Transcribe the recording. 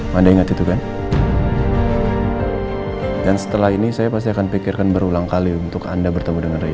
hai anda ingat itu kan dan setelah ini saya pasti akan pikirkan berulang kali untuk anda bertemu dengan reyna